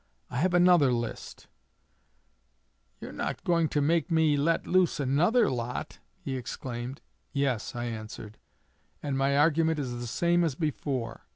I have another list.' 'You're not going to make me let loose another lot!' he exclaimed. 'Yes,' I answered, 'and my argument is the same as before.